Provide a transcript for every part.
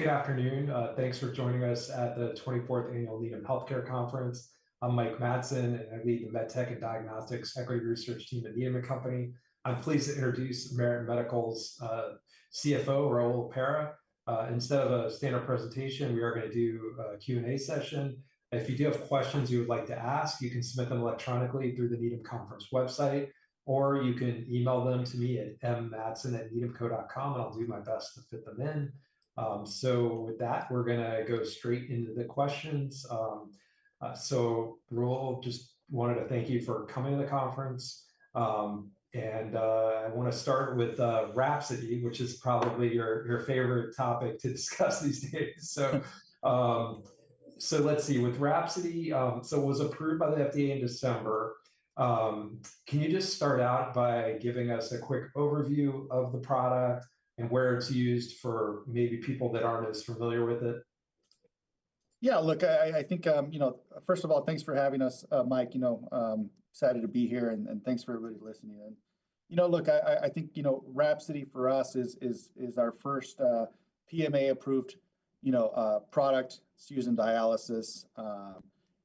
Good afternoon. Thanks for joining us at the 24th Annual Needham Healthcare Conference. I'm Mike Matson, and I lead the MedTech and Diagnostics Equity Research Team at Needham & Company. I'm pleased to introduce Merit Medical's CFO, Raul Parra. Instead of a standard presentation, we are going to do a Q&A session. If you do have questions you would like to ask, you can submit them electronically through the Needham Conference website, or you can email them to me at mmatson@needhamco.com, and I'll do my best to fit them in. With that, we're going to go straight into the questions. Raul, just wanted to thank you for coming to the conference. I want to start with WRAPSODY, which is probably your favorite topic to discuss these days. Let's see, with WRAPSODY, it was approved by the FDA in December. Can you just start out by giving us a quick overview of the product and where it's used for maybe people that aren't as familiar with it? Yeah, look, I think, you know, first of all, thanks for having us, Mike. You know, excited to be here, and thanks for everybody listening. You know, look, I think, you know, WRAPSODY for us is our first PMA-approved product to use in dialysis,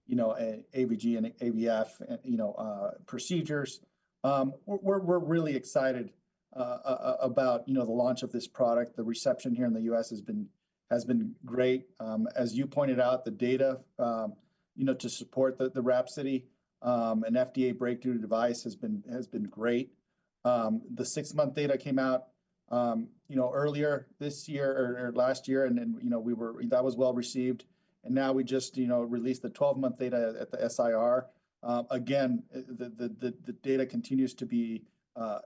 you know, AVG and AVF, you know, procedures. We're really excited about, you know, the launch of this product. The reception here in the U.S. has been great. As you pointed out, the data, you know, to support the WRAPSODY and FDA Breakthrough Device has been great. The six-month data came out, you know, earlier this year or last year, and you know, we were, that was well received. Now we just, you know, released the 12-month data at the SIR. Again, the data continues to be,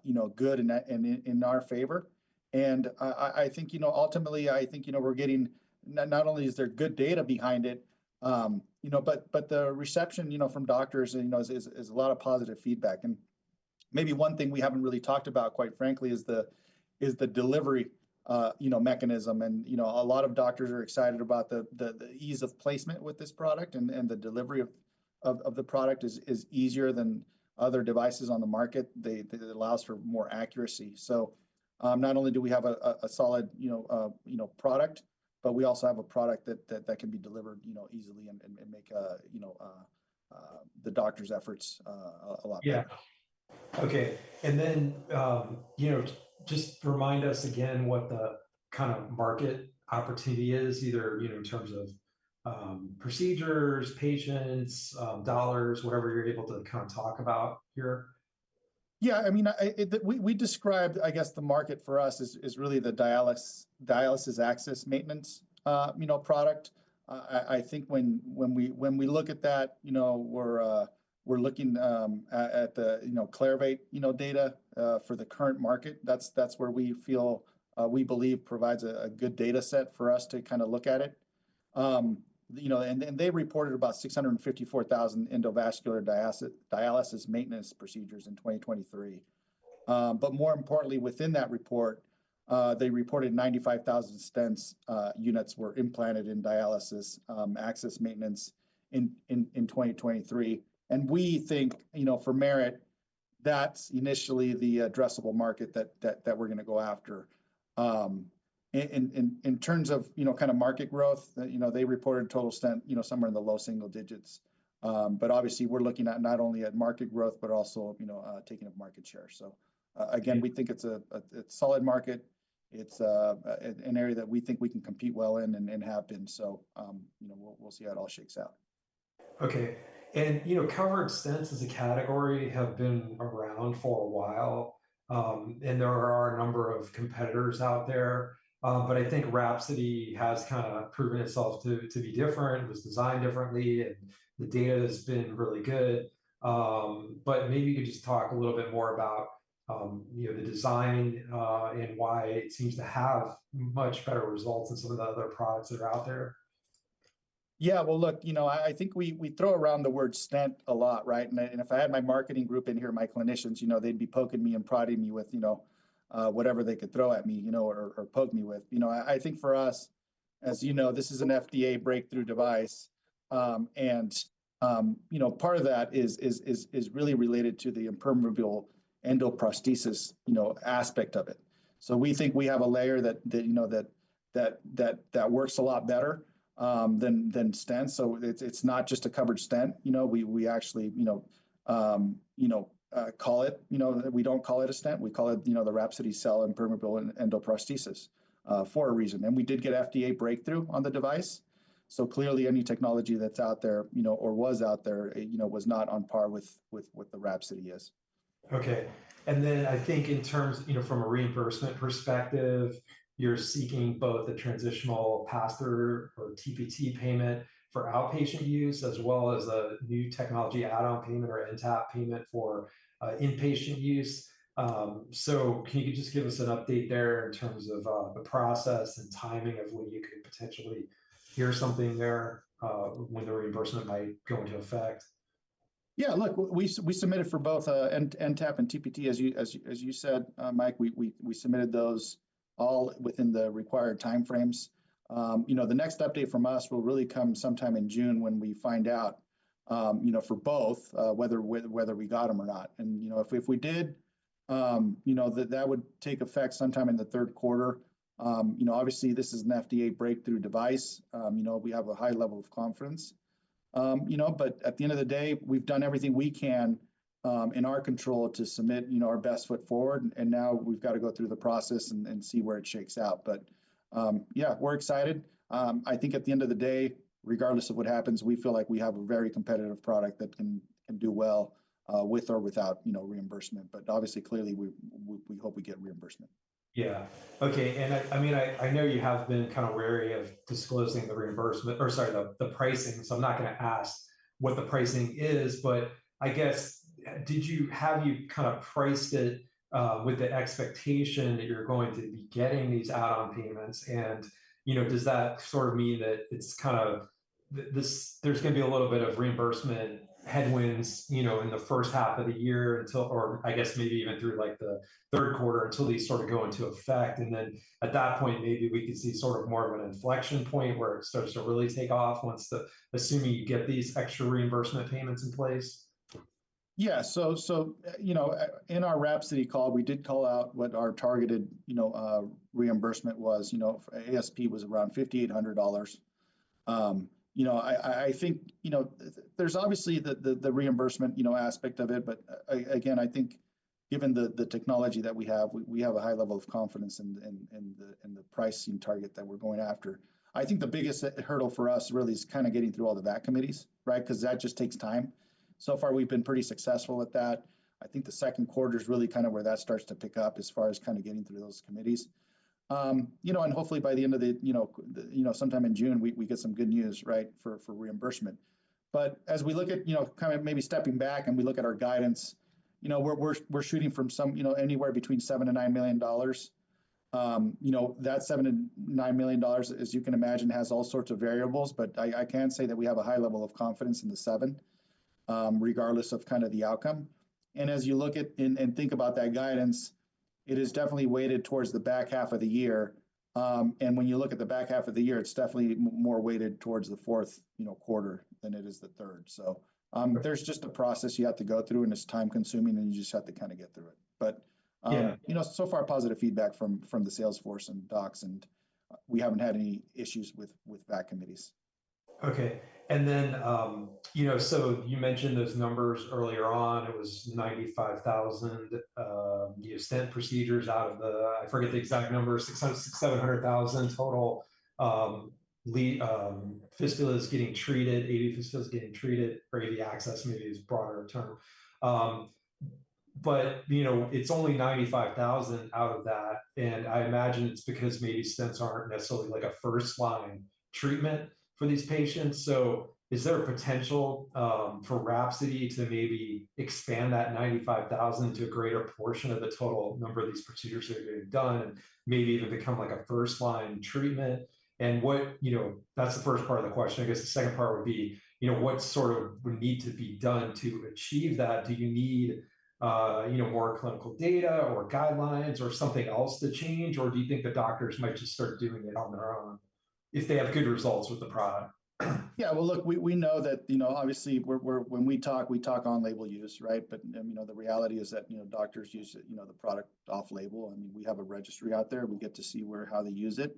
you know, good and in our favor. I think, you know, ultimately, I think, you know, we're getting not only is there good data behind it, you know, but the reception, you know, from doctors, you know, is a lot of positive feedback. Maybe one thing we haven't really talked about, quite frankly, is the delivery, you know, mechanism. You know, a lot of doctors are excited about the ease of placement with this product, and the delivery of the product is easier than other devices on the market. It allows for more accuracy. Not only do we have a solid, you know, product, but we also have a product that can be delivered, you know, easily and make, you know, the doctor's efforts a lot better. Yeah. Okay. You know, just remind us again what the kind of market opportunity is, either, you know, in terms of procedures, patients, dollars, whatever you're able to kind of talk about here. Yeah, I mean, we described, I guess, the market for us is really the dialysis access maintenance, you know, product. I think when we look at that, you know, we're looking at the, you know, Clarivate, you know, data for the current market. That's where we feel, we believe, provides a good data set for us to kind of look at it. You know, and they reported about 654,000 endovascular dialysis maintenance procedures in 2023. More importantly, within that report, they reported 95,000 stents units were implanted in dialysis access maintenance in 2023. We think, you know, for Merit, that's initially the addressable market that we're going to go after. In terms of, you know, kind of market growth, you know, they reported total stent, you know, somewhere in the low single digits. Obviously, we're looking at not only at market growth, but also, you know, taking a market share. Again, we think it's a solid market. It's an area that we think we can compete well in and have been. You know, we'll see how it all shakes out. Okay. You know, covered stents as a category have been around for a while, and there are a number of competitors out there. I think WRAPSODY has kind of proven itself to be different. It was designed differently, and the data has been really good. Maybe you could just talk a little bit more about, you know, the design and why it seems to have much better results than some of the other products that are out there. Yeah, look, you know, I think we throw around the word stent a lot, right? If I had my marketing group in here, my clinicians, you know, they'd be poking me and prodding me with, you know, whatever they could throw at me, you know, or poke me with. You know, I think for us, as you know, this is an FDA Breakthrough Device. You know, part of that is really related to the impermeable endoprosthesis aspect of it. We think we have a layer that, you know, that works a lot better than stents. It's not just a covered stent, you know. We actually, you know, you know, call it, you know, we don't call it a stent. We call it, you know, the WRAPSODY Cell-Impermeable Endoprosthesis for a reason. We did get FDA Breakthrough on the Device. Clearly, any technology that's out there, you know, or was out there, you know, was not on par with what the WRAPSODY is. Okay. I think in terms, you know, from a reimbursement perspective, you're seeking both a transitional pass-through or TPT payment for outpatient use, as well as a new technology add-on payment or NTAP payment for inpatient use. Can you just give us an update there in terms of the process and timing of when you could potentially hear something there when the reimbursement might go into effect? Yeah, look, we submitted for both NTAP and TPT, as you said, Mike. We submitted those all within the required time frames. You know, the next update from us will really come sometime in June when we find out, you know, for both, whether we got them or not. You know, if we did, you know, that would take effect sometime in the third quarter. You know, obviously, this is an FDA Breakthrough Device. You know, we have a high level of confidence. You know, at the end of the day, we've done everything we can in our control to submit, you know, our best foot forward. Now we've got to go through the process and see where it shakes out. Yeah, we're excited. I think at the end of the day, regardless of what happens, we feel like we have a very competitive product that can do well with or without, you know, reimbursement. Obviously, clearly, we hope we get reimbursement. Yeah. Okay. I mean, I know you have been kind of wary of disclosing the reimbursement or, sorry, the pricing. I'm not going to ask what the pricing is, but I guess, have you kind of priced it with the expectation that you're going to be getting these add-on payments? You know, does that sort of mean that it's kind of there's going to be a little bit of reimbursement headwinds in the first half of the year until, or I guess maybe even through like the third quarter until these sort of go into effect? At that point, maybe we could see sort of more of an inflection point where it starts to really take off once the, assuming you get these extra reimbursement payments in place. Yeah. So, you know, in our WRAPSODY call, we did call out what our targeted, you know, reimbursement was. You know, ASP was around $5,800. You know, I think, you know, there's obviously the reimbursement, you know, aspect of it. Again, I think given the technology that we have, we have a high level of confidence in the pricing target that we're going after. I think the biggest hurdle for us really is kind of getting through all the value analysis committees, right? That just takes time. So far, we've been pretty successful at that. I think the second quarter is really kind of where that starts to pick up as far as kind of getting through those committees. You know, and hopefully by the end of the, you know, you know, sometime in June, we get some good news, right, for reimbursement. As we look at, you know, kind of maybe stepping back and we look at our guidance, you know, we're shooting from some, you know, anywhere between $7 million and $9 million. You know, that $7 million and $9 million, as you can imagine, has all sorts of variables. I can say that we have a high level of confidence in the seven, regardless of kind of the outcome. As you look at and think about that guidance, it is definitely weighted towards the back half of the year. When you look at the back half of the year, it's definitely more weighted towards the fourth, you know, quarter than it is the third. There is just a process you have to go through, and it's time-consuming, and you just have to kind of get through it. You know, so far, positive feedback from the salesforce and docs, and we have not had any issues with value analysis committees. Okay. And then, you know, you mentioned those numbers earlier on. It was 95,000, you know, stent procedures out of the, I forget the exact number, 600,000, 700,000 total fistulas getting treated, AV fistulas getting treated, or AV access, maybe is a broader term. You know, it's only 95,000 out of that. I imagine it's because maybe stents aren't necessarily like a first-line treatment for these patients. Is there a potential for WRAPSODY to maybe expand that 95,000 to a greater portion of the total number of these procedures that are being done, and maybe even become like a first-line treatment? That's the first part of the question. I guess the second part would be, you know, what sort of would need to be done to achieve that? Do you need, you know, more clinical data or guidelines or something else to change? Or do you think the doctors might just start doing it on their own if they have good results with the product? Yeah, look, we know that, you know, obviously, when we talk, we talk on-label use, right? But, you know, the reality is that, you know, doctors use it, you know, the product off-label. I mean, we have a registry out there. We get to see where, how they use it.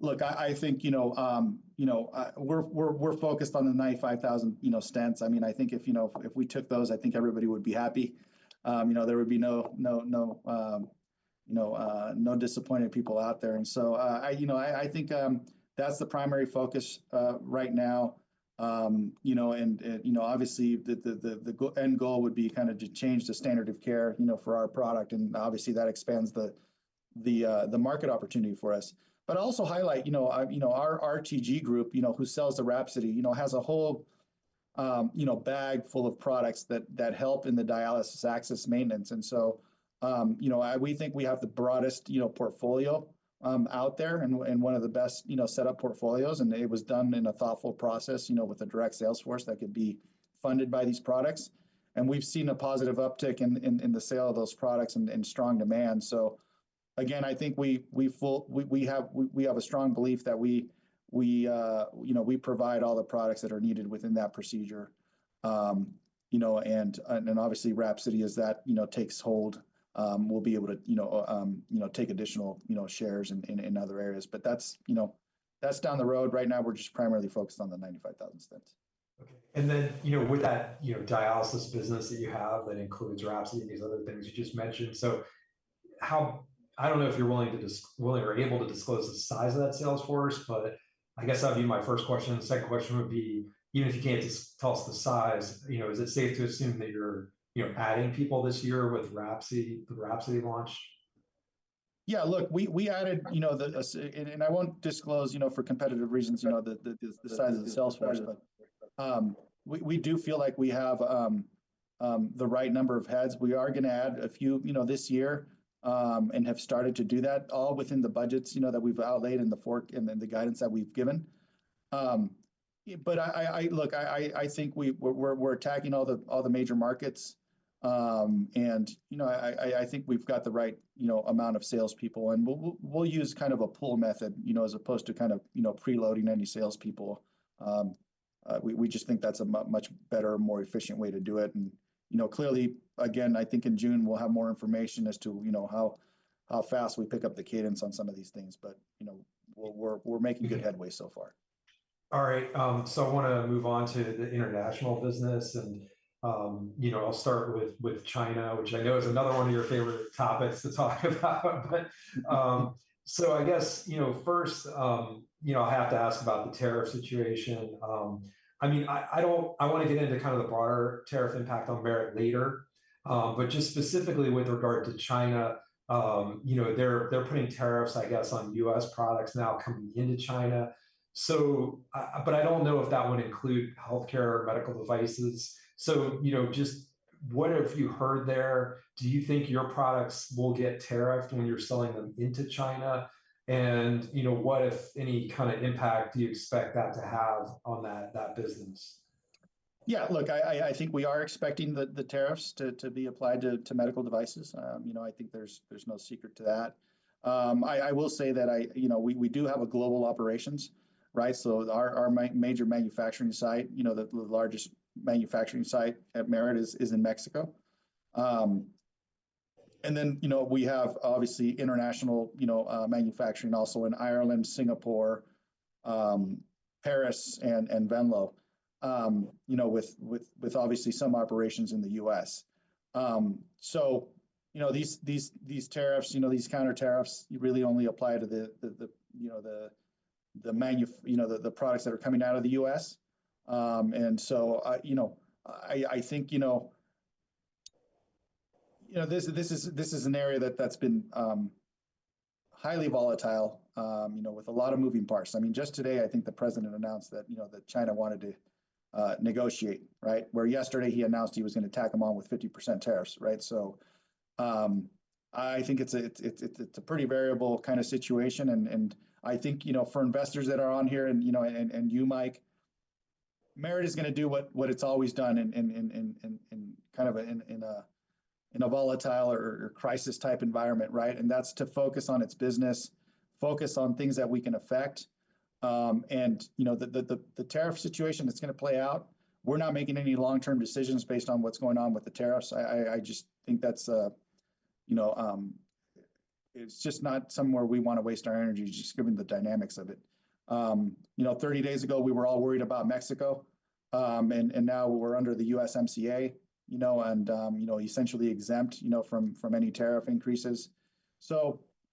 Look, I think, you know, you know, we're focused on the 95,000, you know, stents. I mean, I think if, you know, if we took those, I think everybody would be happy. You know, there would be no, no, you know, no disappointed people out there. You know, I think that's the primary focus right now. You know, obviously, the end goal would be kind of to change the standard of care, you know, for our product. Obviously, that expands the market opportunity for us. I also highlight, you know, our RTG group, you know, who sells the WRAPSODY, you know, has a whole, you know, bag full of products that help in the dialysis access maintenance. You know, we think we have the broadest, you know, portfolio out there and one of the best, you know, setup portfolios. It was done in a thoughtful process, you know, with a direct salesforce that could be funded by these products. We've seen a positive uptick in the sale of those products and strong demand. Again, I think we have a strong belief that we, you know, we provide all the products that are needed within that procedure, you know, and obviously WRAPSODY is that, you know, takes hold. We'll be able to, you know, you know, take additional, you know, shares in other areas. That is, you know, that is down the road. Right now, we are just primarily focused on the 95,000 stents. Okay. And then, you know, with that, you know, dialysis business that you have that includes WRAPSODY and these other things you just mentioned. How, I do not know if you are willing to disclose or able to disclose the size of that salesforce, but I guess that would be my first question. The second question would be, even if you cannot just tell us the size, you know, is it safe to assume that you are, you know, adding people this year with WRAPSODY launch? Yeah, look, we added, you know, and I won't disclose, you know, for competitive reasons, you know, the size of the salesforce, but we do feel like we have the right number of heads. We are going to add a few, you know, this year and have started to do that all within the budgets, you know, that we've outlaid in the forecast and then the guidance that we've given. Look, I think we're attacking all the major markets. You know, I think we've got the right, you know, amount of salespeople. We'll use kind of a pull method, you know, as opposed to kind of, you know, preloading any salespeople. We just think that's a much better, more efficient way to do it. You know, clearly, again, I think in June, we'll have more information as to, you know, how fast we pick up the cadence on some of these things. You know, we're making good headway so far. All right. I want to move on to the international business. You know, I'll start with China, which I know is another one of your favorite topics to talk about. I guess, you know, first, I have to ask about the tariff situation. I mean, I don't, I want to get into kind of the broader tariff impact on Merit later. Just specifically with regard to China, you know, they're putting tariffs, I guess, on U.S. products now coming into China. I don't know if that would include healthcare or medical devices. You know, just what have you heard there? Do you think your products will get tariffed when you're selling them into China? You know, what, if any, kind of impact do you expect that to have on that business? Yeah, look, I think we are expecting the tariffs to be applied to medical devices. You know, I think there's no secret to that. I will say that I, you know, we do have global operations, right? So our major manufacturing site, you know, the largest manufacturing site at Merit is in Mexico. And then, you know, we have obviously international, you know, manufacturing also in Ireland, Singapore, Paris, and Venlo, you know, with obviously some operations in the U.S. These tariffs, you know, these counter tariffs really only apply to the, you know, the products that are coming out of the U.S. You know, I think, you know, this is an area that's been highly volatile, you know, with a lot of moving parts. I mean, just today, I think the president announced that, you know, that China wanted to negotiate, right? Where yesterday he announced he was going to tack them on with 50% tariffs, right? I think it's a pretty variable kind of situation. I think, you know, for investors that are on here and, you know, you, Mike, Merit is going to do what it's always done in kind of a volatile or crisis-type environment, right? That's to focus on its business, focus on things that we can affect. You know, the tariff situation that's going to play out, we're not making any long-term decisions based on what's going on with the tariffs. I just think that's, you know, it's just not somewhere we want to waste our energy just given the dynamics of it. You know, 30 days ago, we were all worried about Mexico. Now we're under the USMCA, you know, and, you know, essentially exempt, you know, from any tariff increases.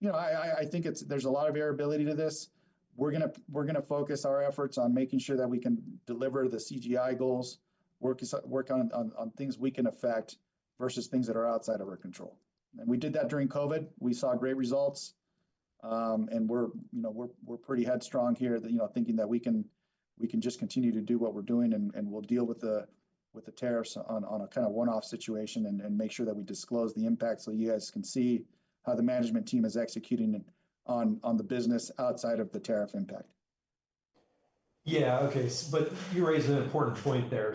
I think there's a lot of variability to this. We're going to focus our efforts on making sure that we can deliver the CGI goals, work on things we can affect versus things that are outside of our control. We did that during COVID. We saw great results. We're, you know, we're pretty headstrong here, you know, thinking that we can just continue to do what we're doing. We'll deal with the tariffs on a kind of one-off situation and make sure that we disclose the impact so you guys can see how the management team is executing on the business outside of the tariff impact. Yeah. Okay. You raised an important point there.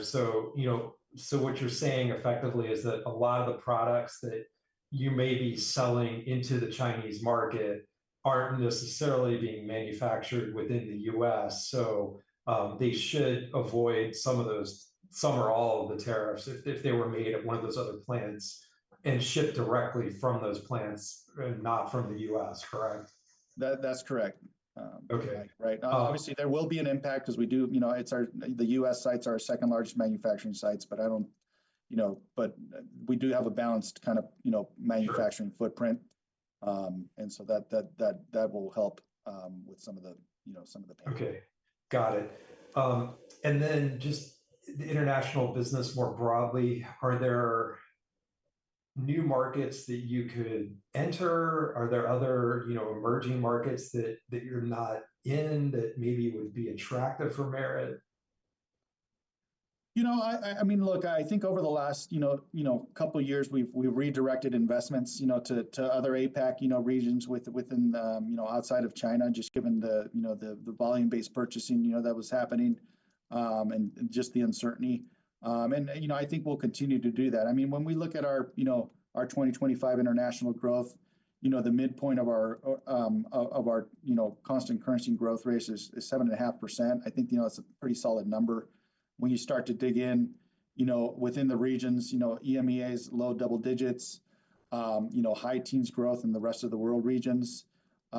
You know, what you're saying effectively is that a lot of the products that you may be selling into the Chinese market aren't necessarily being manufactured within the U.S. They should avoid some of those, some or all of the tariffs if they were made at one of those other plants and shipped directly from those plants and not from the U.S., correct? That's correct. Okay. Right. Obviously, there will be an impact because we do, you know, the U.S. sites are our second-largest manufacturing sites. I don't, you know, but we do have a balanced kind of, you know, manufacturing footprint. That will help with some of the, you know, some of the pain. Okay. Got it. And then just the international business more broadly, are there new markets that you could enter? Are there other, you know, emerging markets that you're not in that maybe would be attractive for Merit? You know, I mean, look, I think over the last, you know, couple of years, we've redirected investments, you know, to other APAC, you know, regions within, you know, outside of China, just given the, you know, the volume-based purchasing, you know, that was happening and just the uncertainty. You know, I think we'll continue to do that. I mean, when we look at our, you know, our 2025 international growth, you know, the midpoint of our, you know, constant currency growth rate is 7.5%. I think, you know, that's a pretty solid number. When you start to dig in, you know, within the regions, you know, EMEA is low double digits, you know, high teens growth in the rest of the world regions. You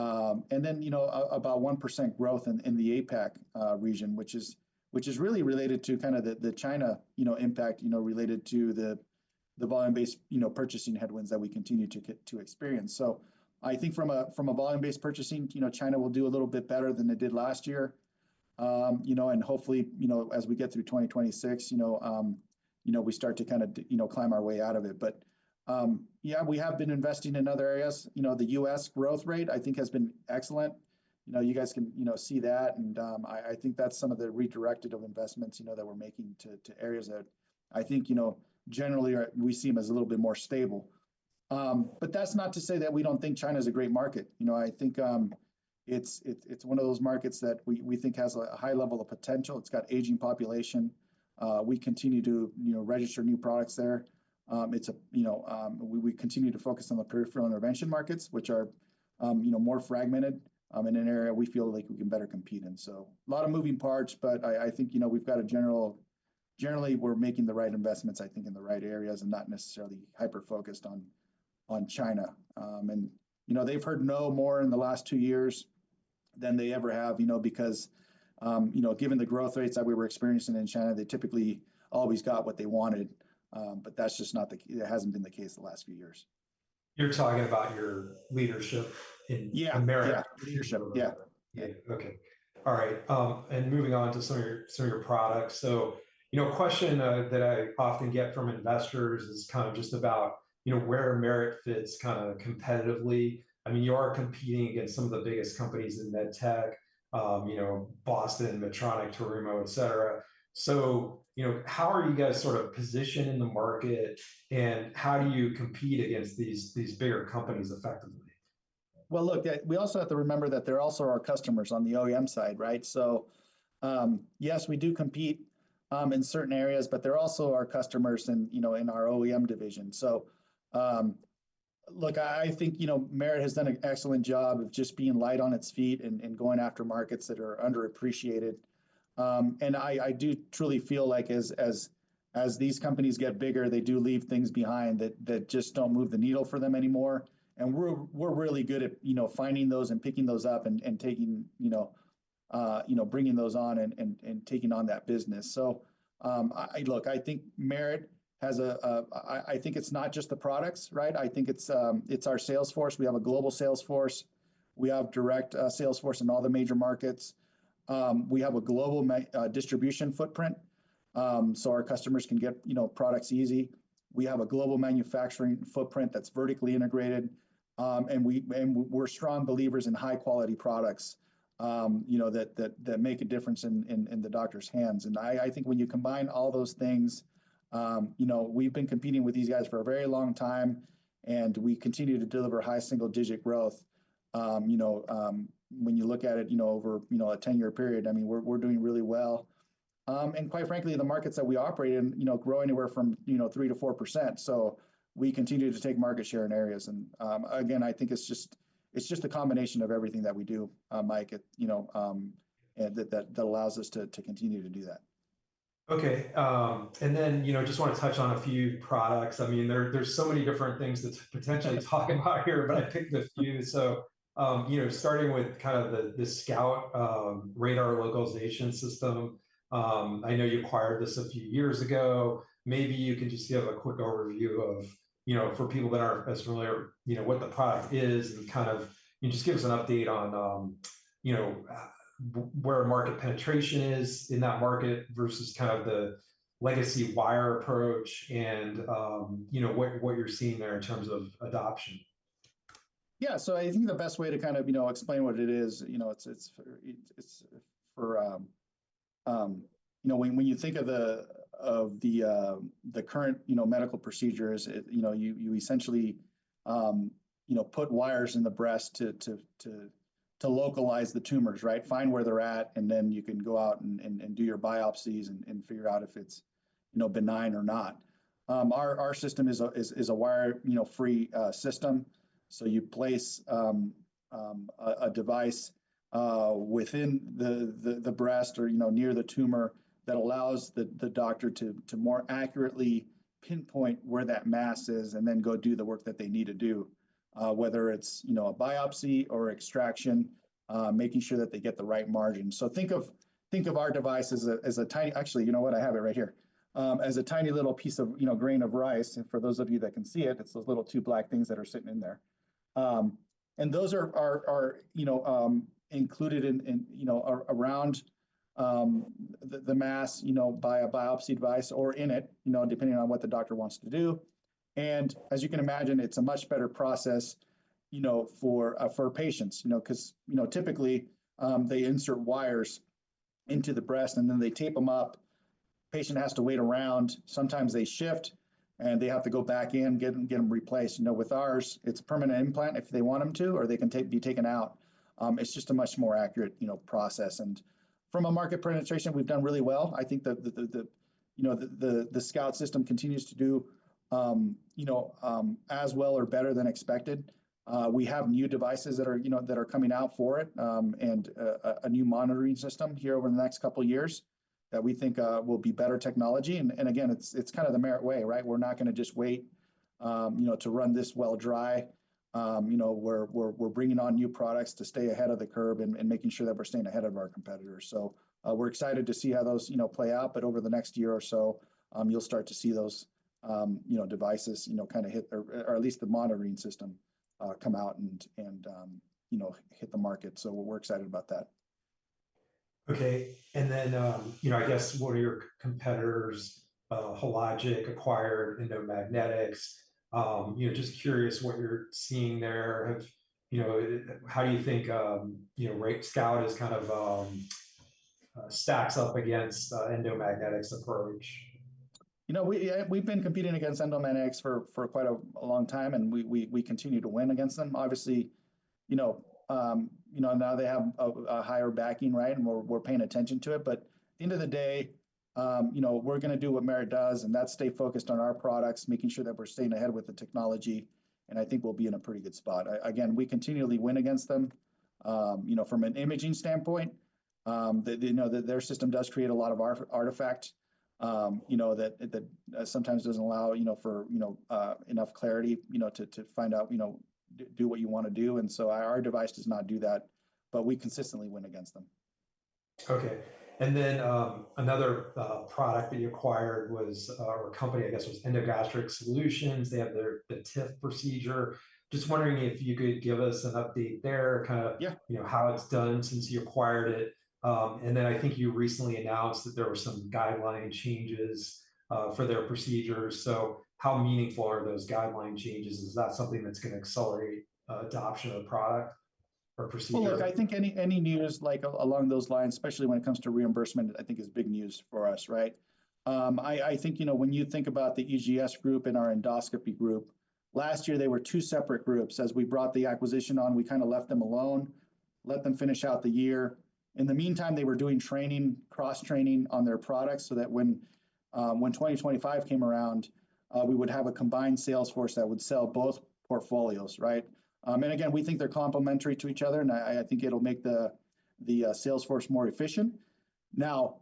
know, about 1% growth in the APAC region, which is really related to kind of the China, you know, impact, you know, related to the volume-based, you know, purchasing headwinds that we continue to experience. I think from a volume-based purchasing, you know, China will do a little bit better than it did last year, you know, and hopefully, you know, as we get through 2026, you know, you know, we start to kind of, you know, climb our way out of it. Yeah, we have been investing in other areas. You know, the U.S. growth rate, I think, has been excellent. You know, you guys can, you know, see that. I think that's some of the redirected investments, you know, that we're making to areas that I think, you know, generally we see them as a little bit more stable. That's not to say that we don't think China is a great market. You know, I think it's one of those markets that we think has a high level of potential. It's got aging population. We continue to, you know, register new products there. It's a, you know, we continue to focus on the peripheral intervention markets, which are, you know, more fragmented in an area we feel like we can better compete in. A lot of moving parts, but I think, you know, we've got a general, generally we're making the right investments, I think, in the right areas and not necessarily hyper-focused on China. You know, they've heard no more in the last two years than they ever have, you know, because, you know, given the growth rates that we were experiencing in China, they typically always got what they wanted. That just has not been the case the last few years. You're talking about your leadership in America. Yeah. Yeah. Okay. All right. Moving on to some of your products. You know, a question that I often get from investors is kind of just about, you know, where Merit fits kind of competitively. I mean, you are competing against some of the biggest companies in med tech, you know, Boston, Medtronic, Terumo, et cetera. You know, how are you guys sort of positioned in the market and how do you compete against these bigger companies effectively? Look, we also have to remember that they're also our customers on the OEM side, right? Yes, we do compete in certain areas, but they're also our customers and, you know, in our OEM division. I think, you know, Merit has done an excellent job of just being light on its feet and going after markets that are underappreciated. I do truly feel like as these companies get bigger, they do leave things behind that just don't move the needle for them anymore. We're really good at, you know, finding those and picking those up and bringing those on and taking on that business. I think Merit has a, I think it's not just the products, right? I think it's our salesforce. We have a global salesforce. We have direct salesforce in all the major markets. We have a global distribution footprint. Our customers can get, you know, products easy. We have a global manufacturing footprint that's vertically integrated. We're strong believers in high-quality products, you know, that make a difference in the doctor's hands. I think when you combine all those things, you know, we've been competing with these guys for a very long time. We continue to deliver high single-digit growth. You know, when you look at it, you know, over, you know, a 10-year period, I mean, we're doing really well. Quite frankly, the markets that we operate in, you know, grow anywhere from, you know, 3-4%. We continue to take market share in areas. Again, I think it's just, it's just a combination of everything that we do, Mike, you know, that allows us to continue to do that. Okay. And then, you know, I just want to touch on a few products. I mean, there's so many different things to potentially talk about here, but I picked a few. You know, starting with kind of the SCOUT Radar Localization system. I know you acquired this a few years ago. Maybe you can just give a quick overview of, you know, for people that aren't as familiar, you know, what the product is and kind of, you know, just give us an update on, you know, where market penetration is in that market versus kind of the legacy wire approach and, you know, what you're seeing there in terms of adoption. Yeah. I think the best way to kind of, you know, explain what it is, you know, it's for, you know, when you think of the current, you know, medical procedures, you know, you essentially, you know, put wires in the breast to localize the tumors, right? Find where they're at, and then you can go out and do your biopsies and figure out if it's, you know, benign or not. Our system is a wire, you know, free system. You place a device within the breast or, you know, near the tumor that allows the doctor to more accurately pinpoint where that mass is and then go do the work that they need to do, whether it's, you know, a biopsy or extraction, making sure that they get the right margin. Think of our device as a tiny, actually, you know what, I have it right here, as a tiny little piece of, you know, grain of rice. For those of you that can see it, it's those little two black things that are sitting in there. Those are, you know, included in, you know, around the mass, you know, by a biopsy device or in it, you know, depending on what the doctor wants to do. As you can imagine, it's a much better process, you know, for patients, you know, because, you know, typically they insert wires into the breast and then they tape them up. Patient has to wait around. Sometimes they shift and they have to go back in, get them replaced. You know, with ours, it's a permanent implant if they want them to, or they can be taken out. It's just a much more accurate, you know, process. And from a market penetration, we've done really well. I think that the, you know, the SCOUT system continues to do, you know, as well or better than expected. We have new devices that are, you know, that are coming out for it and a new monitoring system here over the next couple of years that we think will be better technology. And again, it's kind of the Merit way, right? We're not going to just wait, you know, to run this well dry. You know, we're bringing on new products to stay ahead of the curve and making sure that we're staying ahead of our competitors. So we're excited to see how those, you know, play out. Over the next year or so, you'll start to see those, you know, devices, you know, kind of hit, or at least the monitoring system come out and, you know, hit the market. So we're excited about that. Okay. And then, you know, I guess what are your competitors? Hologic acquired Endomag, you know, just curious what you're seeing there. You know, how do you think, you know, SCOUT is kind of stacks up against Endomag's approach? You know, we've been competing against Endomag for quite a long time, and we continue to win against them. Obviously, you know, now they have a higher backing, right? And we're paying attention to it. At the end of the day, you know, we're going to do what Merit does, and that's stay focused on our products, making sure that we're staying ahead with the technology. I think we'll be in a pretty good spot. Again, we continually win against them, you know, from an imaging standpoint. You know, their system does create a lot of artifact, you know, that sometimes doesn't allow, you know, for, you know, enough clarity, you know, to find out, you know, do what you want to do. Our device does not do that, but we consistently win against them. Okay. Another product that you acquired was, or a company, I guess, was EndoGastric Solutions. They have the TIF procedure. Just wondering if you could give us an update there, kind of, you know, how it's done since you acquired it. I think you recently announced that there were some guideline changes for their procedures. How meaningful are those guideline changes? Is that something that's going to accelerate adoption of the product or procedure? I think any news like along those lines, especially when it comes to reimbursement, I think is big news for us, right? I think, you know, when you think about the EGS group and our endoscopy group, last year they were two separate groups. As we brought the acquisition on, we kind of left them alone, let them finish out the year. In the meantime, they were doing training, cross-training on their products so that when 2025 came around, we would have a combined salesforce that would sell both portfolios, right? Again, we think they're complementary to each other, and I think it'll make the salesforce more efficient. Now,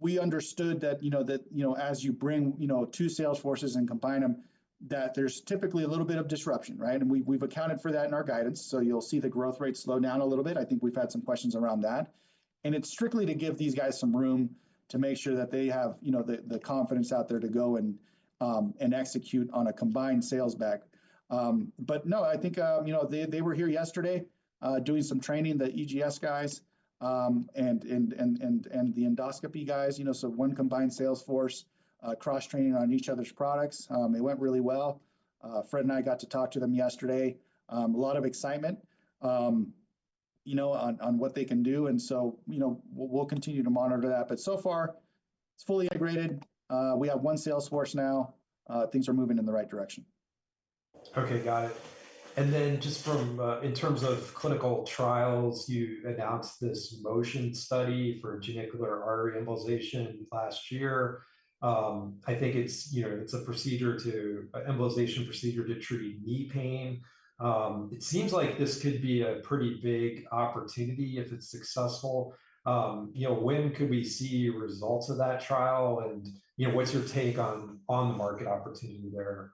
we understood that, you know, that, you know, as you bring, you know, two salesforces and combine them, that there's typically a little bit of disruption, right? We've accounted for that in our guidance. You'll see the growth rate slow down a little bit. I think we've had some questions around that. It's strictly to give these guys some room to make sure that they have, you know, the confidence out there to go and execute on a combined sales bag. No, I think, you know, they were here yesterday doing some training, the EGS guys and the endoscopy guys, you know, so one combined salesforce, cross-training on each other's products. It went really well. Fred and I got to talk to them yesterday. A lot of excitement, you know, on what they can do. You know, we'll continue to monitor that. So far, it's fully integrated. We have one salesforce now. Things are moving in the right direction. Okay. Got it. Just from in terms of clinical trials, you announced this MOTION Study for genicular artery embolization last year. I think it's, you know, it's a procedure to embolization procedure to treat knee pain. It seems like this could be a pretty big opportunity if it's successful. You know, when could we see results of that trial? You know, what's your take on the market opportunity there?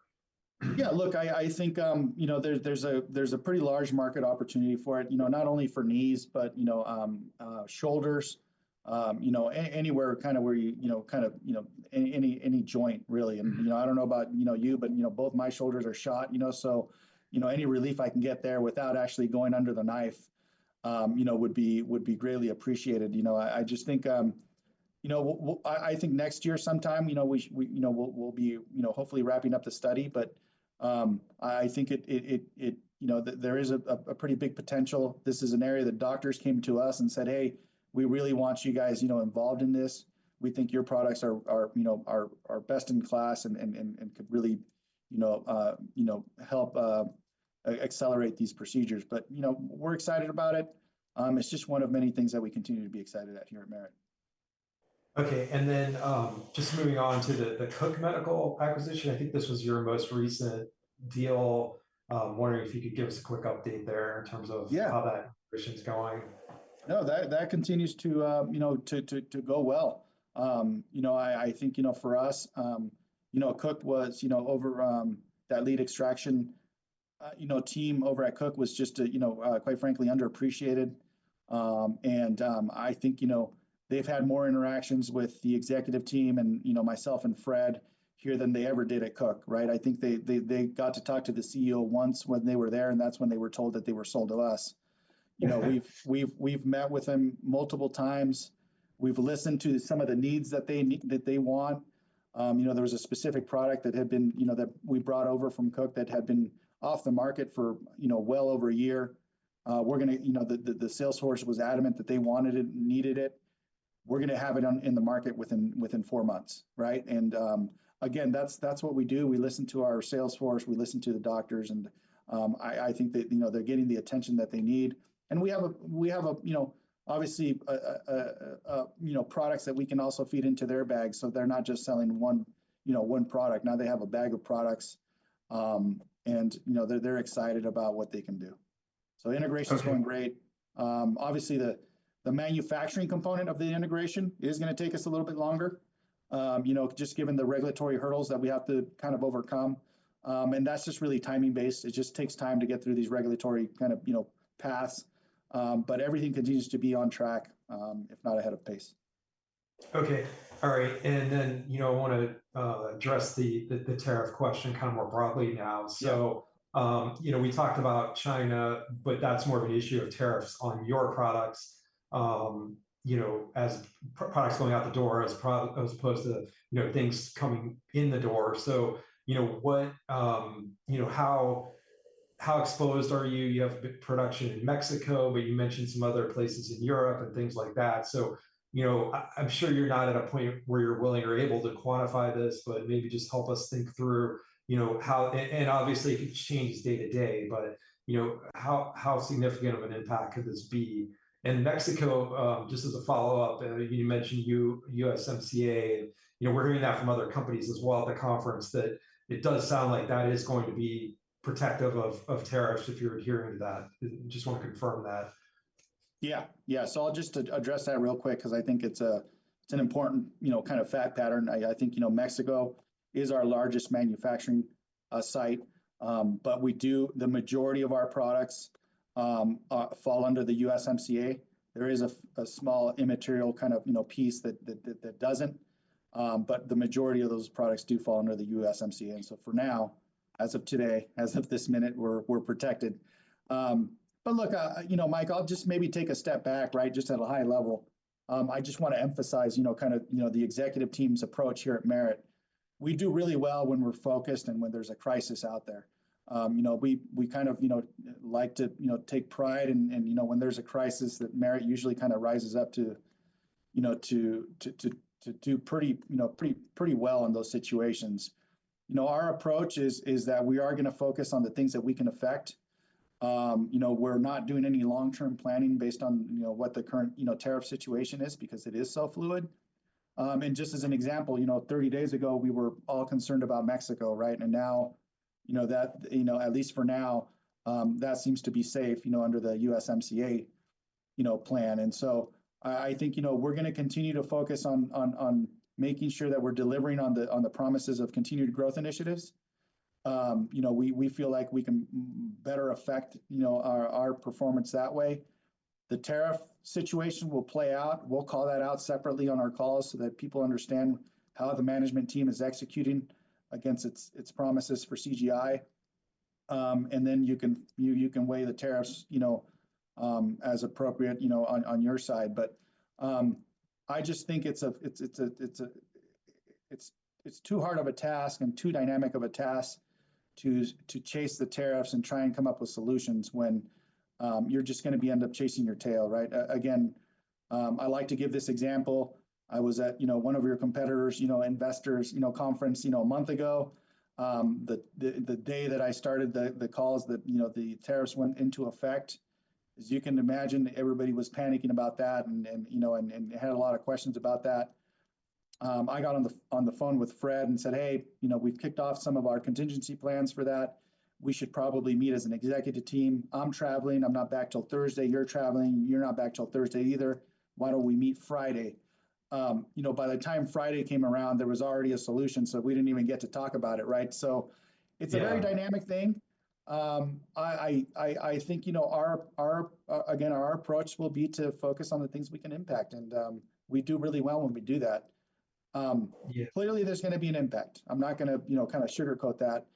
Yeah. Look, I think, you know, there's a pretty large market opportunity for it, you know, not only for knees, but, you know, shoulders, you know, anywhere kind of where you, you know, kind of, you know, any joint really. And, you know, I don't know about, you know, you, but, you know, both my shoulders are shot, you know, so, you know, any relief I can get there without actually going under the knife, you know, would be greatly appreciated. You know, I just think, you know, I think next year sometime, you know, we, you know, we'll be, you know, hopefully wrapping up the study, but I think it, you know, there is a pretty big potential. This is an area that doctors came to us and said, "Hey, we really want you guys, you know, involved in this. We think your products are, you know, our best in class and could really, you know, help accelerate these procedures. You know, we're excited about it. It's just one of many things that we continue to be excited at here at Merit. Okay. Just moving on to the Cook Medical acquisition, I think this was your most recent deal. Wondering if you could give us a quick update there in terms of how that operation's going. No, that continues to, you know, to go well. You know, I think, you know, for us, you know, Cook was, you know, over that lead extraction, you know, team over at Cook was just, you know, quite frankly underappreciated. And I think, you know, they've had more interactions with the executive team and, you know, myself and Fred here than they ever did at Cook, right? I think they got to talk to the CEO once when they were there, and that's when they were told that they were sold to us. You know, we've met with them multiple times. We've listened to some of the needs that they want. You know, there was a specific product that had been, you know, that we brought over from Cook that had been off the market for, you know, well over a year. We're going to, you know, the salesforce was adamant that they wanted it and needed it. We're going to have it in the market within four months, right? Again, that's what we do. We listen to our salesforce. We listen to the doctors. I think that, you know, they're getting the attention that they need. We have a, you know, obviously, you know, products that we can also feed into their bag. They're not just selling one, you know, one product. Now they have a bag of products. You know, they're excited about what they can do. Integration is going great. Obviously, the manufacturing component of the integration is going to take us a little bit longer, you know, just given the regulatory hurdles that we have to kind of overcome. That's just really timing-based. It just takes time to get through these regulatory kind of, you know, paths. Everything continues to be on track, if not ahead of pace. Okay. All right. You know, I want to address the tariff question kind of more broadly now. You know, we talked about China, but that's more of an issue of tariffs on your products, you know, as products going out the door as opposed to, you know, things coming in the door. You know, what, you know, how exposed are you? You have production in Mexico, but you mentioned some other places in Europe and things like that. You know, I'm sure you're not at a point where you're willing or able to quantify this, but maybe just help us think through, you know, how, and obviously it changes day to day, but, you know, how significant of an impact can this be? Mexico, just as a follow-up, you mentioned USMCA, and, you know, we're hearing that from other companies as well at the conference that it does sound like that is going to be protective of tariffs if you're adhering to that. Just want to confirm that. Yeah. Yeah. I'll just address that real quick because I think it's an important, you know, kind of fact pattern. I think, you know, Mexico is our largest manufacturing site, but we do, the majority of our products fall under the USMCA. There is a small immaterial kind of, you know, piece that doesn't, but the majority of those products do fall under the USMCA. For now, as of today, as of this minute, we're protected. Look, you know, Mike, I'll just maybe take a step back, right? Just at a high level. I just want to emphasize, you know, kind of, you know, the executive team's approach here at Merit. We do really well when we're focused and when there's a crisis out there. You know, we kind of, you know, like to, you know, take pride and, you know, when there's a crisis that Merit usually kind of rises up to, you know, to do pretty, you know, pretty well in those situations. You know, our approach is that we are going to focus on the things that we can affect. You know, we're not doing any long-term planning based on, you know, what the current, you know, tariff situation is because it is so fluid. Just as an example, you know, 30 days ago, we were all concerned about Mexico, right? You know, that, you know, at least for now, that seems to be safe, you know, under the USMCA, you know, plan. I think, you know, we're going to continue to focus on making sure that we're delivering on the promises of Continued Growth Initiatives. You know, we feel like we can better affect, you know, our performance that way. The tariff situation will play out. We'll call that out separately on our calls so that people understand how the management team is executing against its promises for CGI. You can weigh the tariffs, you know, as appropriate, you know, on your side. I just think it's a, it's too hard of a task and too dynamic of a task to chase the tariffs and try and come up with solutions when you're just going to be end up chasing your tail, right? Again, I like to give this example. I was at, you know, one of your competitors, you know, investors, you know, conference, you know, a month ago. The day that I started the calls that, you know, the tariffs went into effect, as you can imagine, everybody was panicking about that and, you know, had a lot of questions about that. I got on the phone with Fred and said, "Hey, you know, we've kicked off some of our contingency plans for that. We should probably meet as an executive team. I'm traveling. I'm not back till Thursday. You're traveling. You're not back till Thursday either. Why don't we meet Friday?" You know, by the time Friday came around, there was already a solution. We didn't even get to talk about it, right? It is a very dynamic thing. I think, you know, again, our approach will be to focus on the things we can impact. We do really well when we do that. Clearly, there's going to be an impact. I'm not going to, you know, kind of sugarcoat that.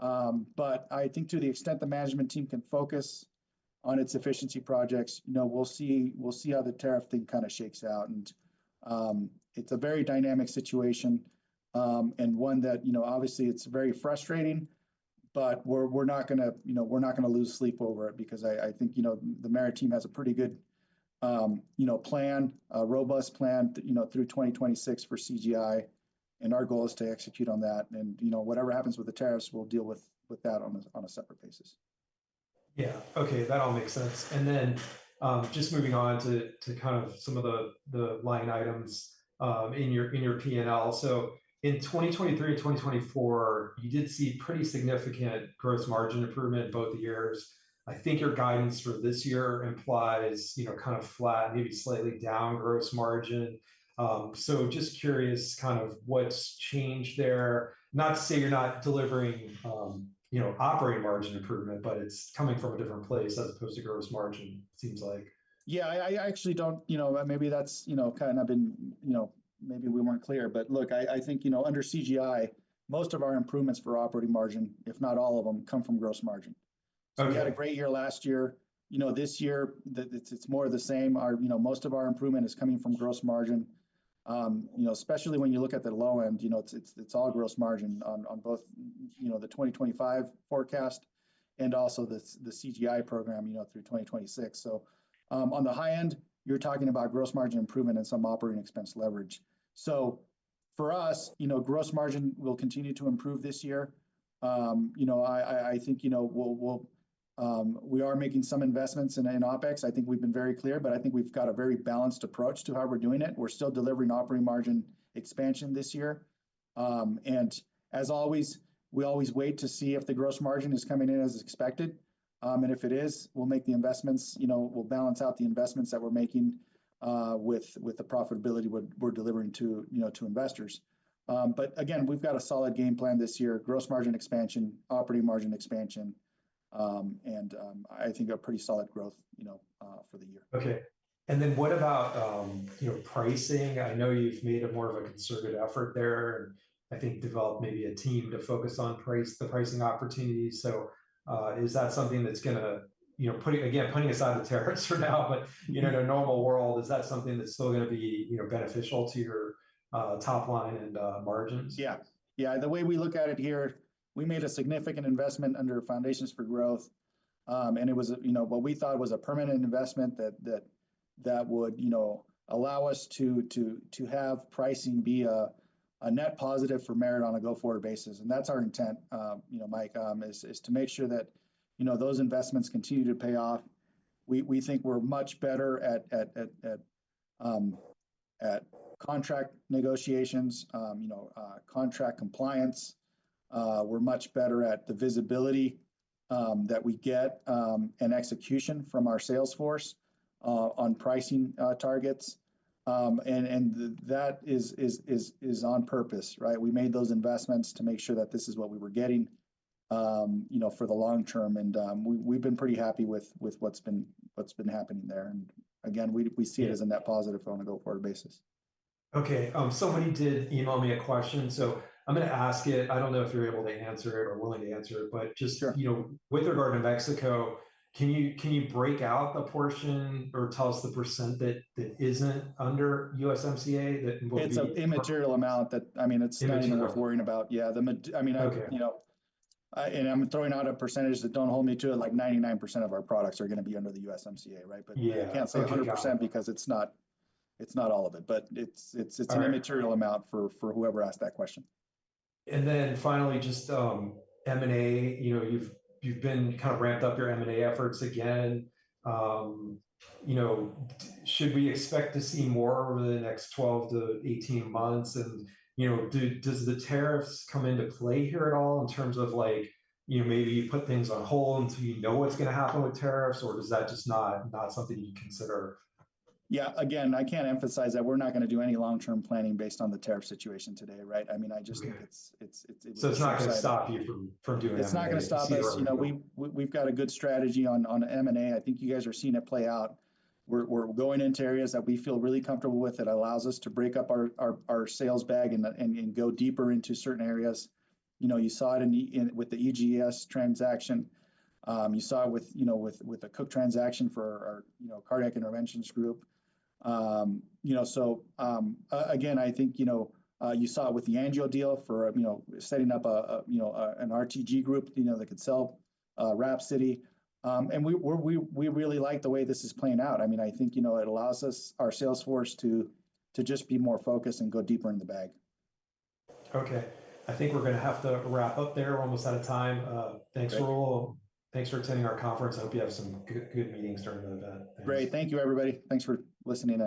I think to the extent the management team can focus on its efficiency projects, you know, we'll see how the tariff thing kind of shakes out. It is a very dynamic situation and one that, you know, obviously is very frustrating, but we're not going to, you know, we're not going to lose sleep over it because I think, you know, the Merit team has a pretty good, you know, plan, a robust plan, you know, through 2026 for CGI. Our goal is to execute on that. You know, whatever happens with the tariffs, we'll deal with that on a separate basis. Yeah. Okay. That all makes sense. Just moving on to kind of some of the line items in your P&L. In 2023 and 2024, you did see pretty significant gross margin improvement both years. I think your guidance for this year implies, you know, kind of flat, maybe slightly down gross margin. Just curious kind of what's changed there. Not to say you're not delivering, you know, operating margin improvement, but it's coming from a different place as opposed to gross margin, it seems like. Yeah. I actually don't, you know, maybe that's, you know, kind of been, you know, maybe we weren't clear. But look, I think, you know, under CGI, most of our improvements for operating margin, if not all of them, come from gross margin. We had a great year last year. You know, this year, it's more of the same. Our, you know, most of our improvement is coming from gross margin, you know, especially when you look at the low end, you know, it's all gross margin on both, you know, the 2025 forecast and also the CGI program, you know, through 2026. On the high end, you're talking about gross margin improvement and some operating expense leverage. For us, you know, gross margin will continue to improve this year. You know, I think, you know, we are making some investments in OpEx. I think we've been very clear, but I think we've got a very balanced approach to how we're doing it. We're still delivering operating margin expansion this year. As always, we always wait to see if the gross margin is coming in as expected. If it is, we'll make the investments, you know, we'll balance out the investments that we're making with the profitability we're delivering to, you know, to investors. Again, we've got a solid game plan this year, gross margin expansion, operating margin expansion, and I think a pretty solid growth, you know, for the year. Okay. What about, you know, pricing? I know you've made more of a concerted effort there and I think developed maybe a team to focus on the pricing opportunity. Is that something that's going to, you know, again, putting aside the tariffs for now, but, you know, in a normal world, is that something that's still going to be, you know, beneficial to your top line and margins? Yeah. Yeah. The way we look at it here, we made a significant investment under Foundations for Growth. And it was, you know, what we thought was a permanent investment that would, you know, allow us to have pricing be a net positive for Merit on a go-forward basis. And that's our intent, you know, Mike, is to make sure that, you know, those investments continue to pay off. We think we're much better at contract negotiations, you know, contract compliance. We're much better at the visibility that we get and execution from our salesforce on pricing targets. That is on purpose, right? We made those investments to make sure that this is what we were getting, you know, for the long term. We've been pretty happy with what's been happening there. Again, we see it as a net positive on a go-forward basis. Okay. Somebody did email me a question. I'm going to ask it. I don't know if you're able to answer it or willing to answer it, but just, you know, with regard to Mexico, can you break out a portion or tell us the percent that isn't under USMCA that will be? It's an immaterial amount that, I mean, it's not even worth worrying about. Yeah. I mean, you know, and I'm throwing out a percentage that, don't hold me to it, like 99% of our products are going to be under the USMCA, right? I can't say 100% because it's not all of it, but it's an immaterial amount for whoever asked that question. Finally, just M&A, you know, you've been kind of ramped up your M&A efforts again. You know, should we expect to see more over the next 12 to 18 months? You know, does the tariffs come into play here at all in terms of like, you know, maybe you put things on hold until you know what's going to happen with tariffs, or is that just not something you consider? Yeah. Again, I can't emphasize that we're not going to do any long-term planning based on the tariff situation today, right? I mean, I just think it's a decision. It's not going to stop you from doing anything? It's not going to stop us. You know, we've got a good strategy on M&A. I think you guys are seeing it play out. We're going into areas that we feel really comfortable with. It allows us to break up our sales bag and go deeper into certain areas. You know, you saw it with the EGS transaction. You saw it with, you know, with the Cook transaction for our, you know, cardiac interventions group. You know, you saw it with the AngioDynamics deal for, you know, setting up a, you know, an RTG group, you know, that could sell WRAPSODY. And we really like the way this is playing out. I mean, I think, you know, it allows us, our salesforce, to just be more focused and go deeper in the bag. Okay. I think we're going to have to wrap up there. We're almost out of time. Thanks for all. Thanks for attending our conference. I hope you have some good meetings during the event. Great. Thank you, everybody. Thanks for listening.